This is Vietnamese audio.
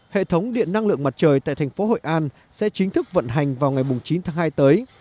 hệ thống điện năng lượng mặt trời tại thành phố hội an sẽ chính thức vận hành vào ngày chín tháng hai tới